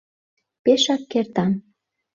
Пешак кертам.